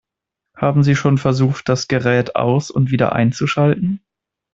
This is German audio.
Haben Sie schon versucht, das Gerät aus- und wieder einzuschalten?